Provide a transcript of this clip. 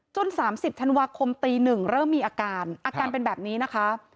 ๓๐ธันวาคมตี๑เริ่มมีอาการอาการเป็นแบบนี้นะคะ